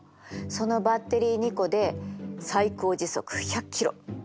そのバッテリー２個で最高時速１００キロ